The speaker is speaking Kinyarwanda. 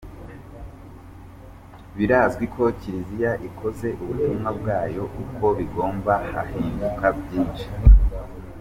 Birazwi ko Kiliziya ikoze ubutumwa bwayo uko bigomba hahinduka byinshi.